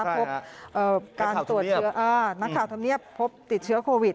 พบการตรวจเชื้อนักข่าวธรรมเนียบพบติดเชื้อโควิด